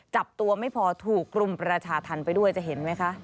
จับตัวไม่พอถูกรุมประชาธรรมไปด้วยจะเห็นไหมคะ